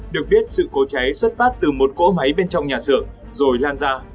được biết sự cố cháy xuất phát từ một cỗ máy bên trong nhà xưởng rồi lan ra